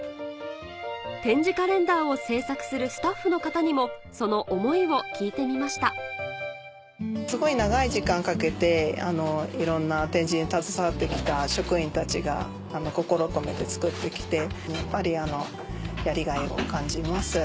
点字カレンダーを製作するスタッフの方にもその思いを聞いてみましたすごい長い時間かけていろんな点字に携わって来た職員たちが心を込めて作って来てやっぱりやりがいを感じます。